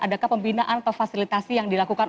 adakah pembinaan atau fasilitasi yang dilakukan